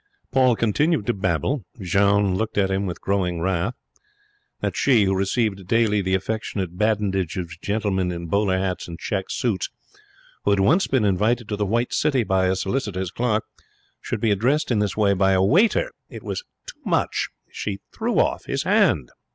Paul continued to babble. Jeanne looked at him with growing wrath. That she, who received daily the affectionate badinage of gentlemen in bowler hats and check suits, who had once been invited to the White City by a solicitor's clerk, should be addressed in this way by a waiter! It was too much. She threw off his hand.